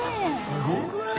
すごくない？